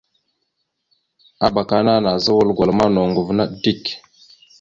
Abak ana nazza wal gwala ma noŋgov naɗ dik.